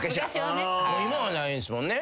今はないんすもんね。